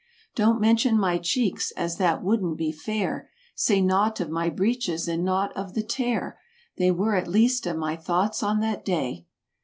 Don't mention my cheeks, as that wouldn't be fair; Say nought of my breeches and nought of the tear— They were least of my thoughts on that day.